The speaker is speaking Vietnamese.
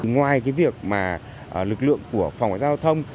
ngoài cái việc mà lực lượng của phòng giao thông